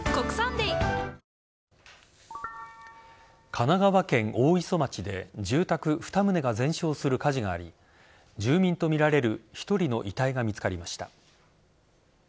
神奈川県大磯町で住宅２棟が全焼する火事があり住民とみられる１人の遺体が見つかりました。